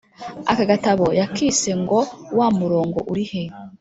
akagatabo yakise ngo Wa murongo uri he?